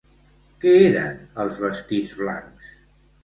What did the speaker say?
Què eren els vestits blancs?